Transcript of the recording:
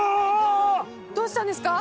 どうしたんですか？